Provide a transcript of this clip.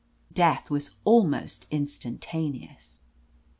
Death was almost instantaneous."